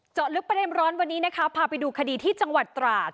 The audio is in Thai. ลึกประเด็นร้อนวันนี้นะคะพาไปดูคดีที่จังหวัดตราด